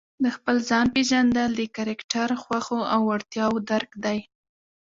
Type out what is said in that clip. د خپل ځان پېژندل د کرکټر، خوښو او وړتیاوو درک دی.